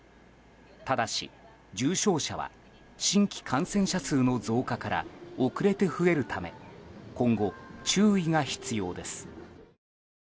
ただし、重症者は新規感染者数の増加から遅れて増えるため今後、注意が必要です。